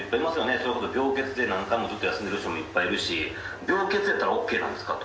それこそ病欠で何回もずっと休んでいる人もいっぱいいるし、病欠やったらＯＫなんですかと。